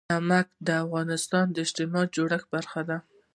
نمک د افغانستان د اجتماعي جوړښت برخه ده.